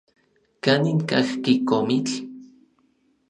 ¿Kanin kajki komitl?